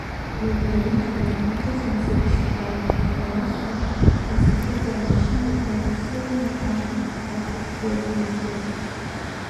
Уи дналыдҟьан, дыҟамзар бсырбап иҳәауазшәа, аӡахыга машьына днадххылан ашырҳәа ақәыршә ҩақәижәааит.